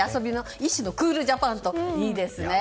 一種クールジャパンといいですね。